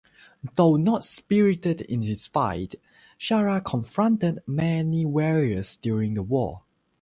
Though not spirited in his fight, Shalya confronted many great warriors during the war.